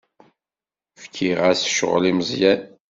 Fkiɣ-as ccɣel i Meẓyan.